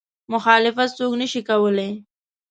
مخالفت څوک نه شي کولی.